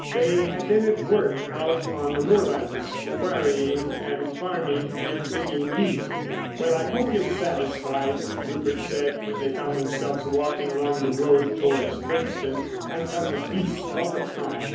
They had been at work out on the moorlands, quarrying and farming and digging peat. "Well, I hope you're satisfied," Rupert said, when they found themselves walking along the road towards Princetown. "I felt a beast all the time.